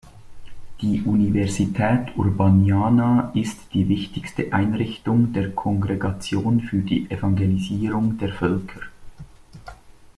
Die Universität Urbaniana ist die wichtigste Einrichtung der Kongregation für die Evangelisierung der Völker.